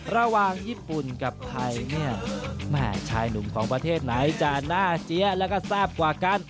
ระหว่างญี่ปุ่นกับไทยแหม่ใช่หนุ่มประเทศไหนจะหน้าเจี๊ยะและแซ่บกว่ากัน